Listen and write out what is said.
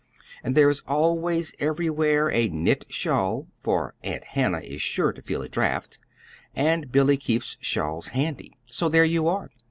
And there is always everywhere a knit shawl, for Aunt Hannah is sure to feel a draught, and Billy keeps shawls handy. So there you are!